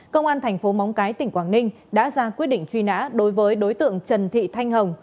công an thành phố móng cái tỉnh quảng ninh đã ra quyết định truy nã đối với đối tượng trần thị thanh hồng